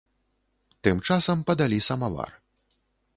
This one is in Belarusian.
Тым часам падалі самавар.